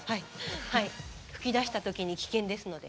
噴き出した時に危険ですので。